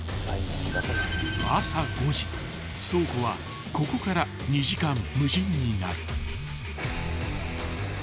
［倉庫はここから２時間無人になる］